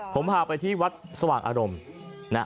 ผมพาไปที่วัดสว่างอารมณ์